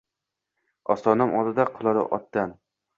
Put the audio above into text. Ostonam oldida quladi otdan.